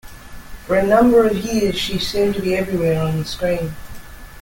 For a number of years, she seemed to be everywhere on the screen.